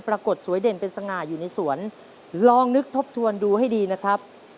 ปรากฏสวยเด่นเป็นสง่าอยู่ในสวนลองนึกทบทวนดูให้ดีนะครับ